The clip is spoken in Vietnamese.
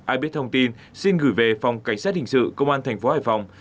ai biết thông tin xin gửi về phòng cảnh sát hình sự công an thành phố hải phòng